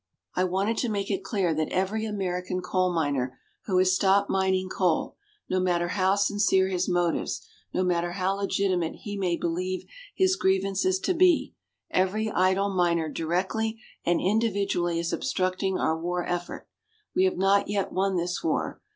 I want to make it clear that every American coal miner who has stopped mining coal no matter how sincere his motives, no matter how legitimate he may believe his grievances to be every idle miner directly and individually is obstructing our war effort. We have not yet won this war.